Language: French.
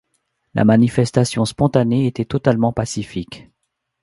La manifestation spontanée était totalement pacifique.